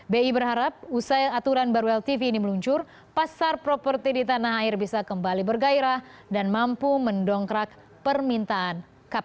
bi berharap usai aturan baru ltv ini meluncur pasar properti di tanah air bisa kembali bergairah dan mampu mendongkrak permintaan kpk